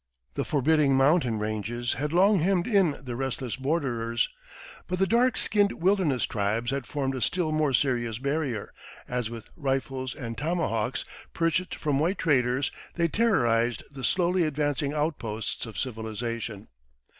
The forbidding mountain ranges had long hemmed in the restless borderers; but the dark skinned wilderness tribes had formed a still more serious barrier, as, with rifles and tomahawks purchased from white traders, they terrorized the slowly advancing outposts of civilization.